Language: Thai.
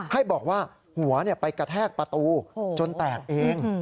ให้บอกว่าหัวไปกระแทกประตูจนแตกเอง